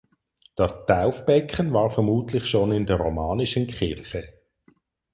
Das Taufbecken war vermutlich schon in der romanischen Kirche.